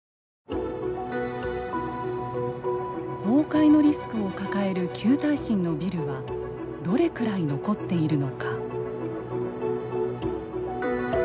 崩壊のリスクを抱える旧耐震のビルはどれくらい残っているのか。